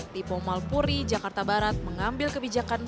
tipo malpuri jakarta barat mengambil kebijakan